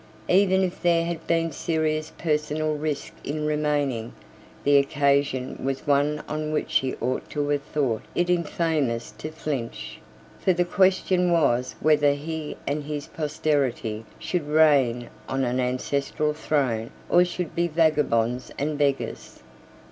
Even if there had been serious personal risk in remaining, the occasion was one on which he ought to have thought it infamous to flinch: for the question was whether he and his posterity should reign on an ancestral throne or should be vagabonds and beggars.